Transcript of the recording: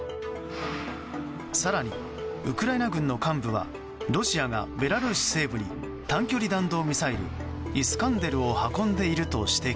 更に、ウクライナ軍の幹部はロシアがベラルーシ西部に短距離弾道ミサイルイスカンデルを運んでいると指摘。